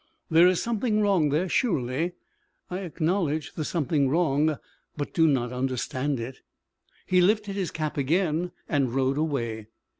There is something wrong there, surely! I acknowledge the something wrong, but do not understand it. He lifted his cap again, and rode away.